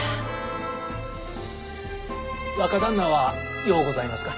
若旦那はようございますか？